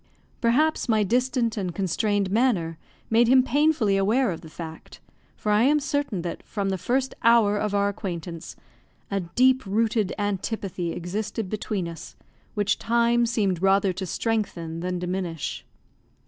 Perhaps my distant and constrained manner made him painfully aware of the fact, for I am certain that, from the first hour of our acquaintance, a deep rooted antipathy existed between us, which time seemed rather to strengthen than diminish.